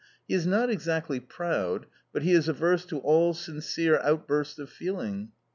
. He is not exactly proud, but he is averse to all sincere out bursts of feeling.